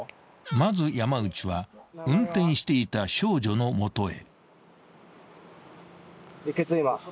［まず山内は運転していた少女の元へ］